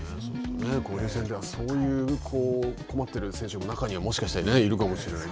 交流戦では、そういう困っている選手も中にはもしかしているかもしれない。